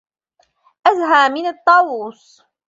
أزهى من طاووس